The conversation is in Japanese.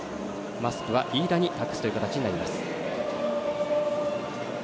マスクは飯田に託すという形になります。